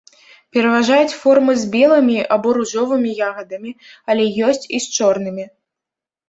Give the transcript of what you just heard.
Пераважаюць формы з белымі або ружовымі ягадамі, але ёсць і з чорнымі.